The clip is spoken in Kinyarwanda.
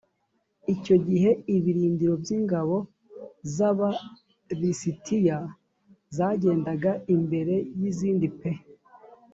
icyo gihe ibirindiro by ingabo z aba lisitiya zagendaga imbere y izindi p